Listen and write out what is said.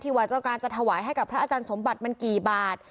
ว่าเจ้าการจะถวายให้กับพระอาจารย์สมบัติมันกี่บาท